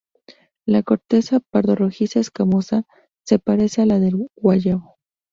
La corteza pardo-rojiza, escamosa, se parece a la del guayabo.